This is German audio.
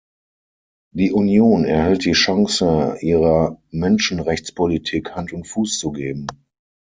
Die Union erhält die Chance, ihrer Menschenrechtspolitik Hand und Fuß zu geben.